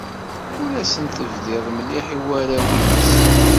Ur asen-tebdid mliḥ i warraw-nnes.